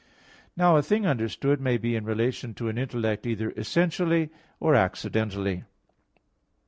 Now a thing understood may be in relation to an intellect either essentially or accidentally.